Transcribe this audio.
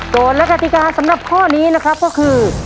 และกติกาสำหรับข้อนี้นะครับก็คือ